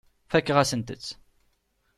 Fakeɣ-asent-t.